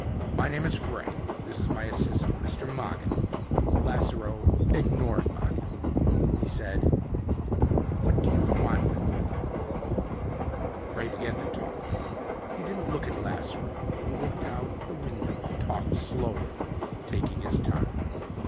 "My name is Frey. This is my assistant, Mr. Mogin." Lasseroe ignored Mogin. He said, "What do you want with me?" Frey began to talk. He didn't look at Lasseroe. He looked out the window and talked slowly, taking his time.